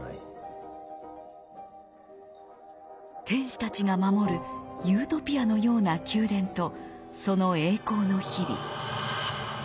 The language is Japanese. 天使たちが守るユートピアのような宮殿とその栄光の日々。